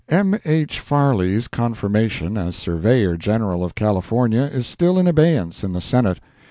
M. H. Farley's confirmation as Surveyor General of California is still in abeyance in the Senate.